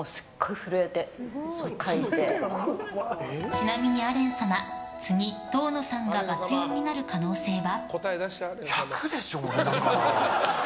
ちなみにアレン様次、遠野さんがバツ４になる可能性は？